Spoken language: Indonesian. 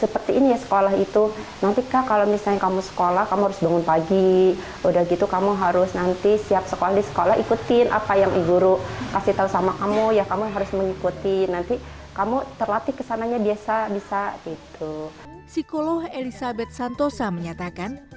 psikolog elisabeth santosa menyatakan